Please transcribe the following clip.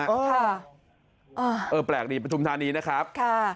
เออแปลกดีประทุมธานีนะครับค่ะ